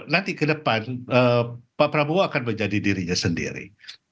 nanti ke depan pak prabowo akan menjadi dirinya sendiri